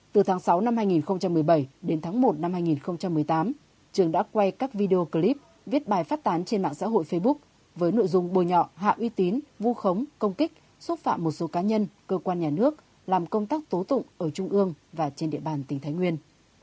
từ tháng sáu năm hai nghìn một mươi bảy đến tháng một năm hai nghìn một mươi tám trường đã quay các video clip viết bài phát tán trên mạng xã hội facebook với nội dung bôi nhọ hạ uy tín vu khống công kích xúc phạm một số cá nhân cơ quan nhà nước làm công tác tố tụng ở trung ương và trên địa bàn tỉnh thái nguyên